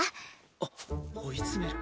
あっ「追い詰める」。